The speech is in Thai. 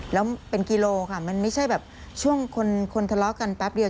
แล้วเป็นกิโลค่ะมันไม่ใช่แบบช่วงคนทะเลาะกันแป๊บเดียว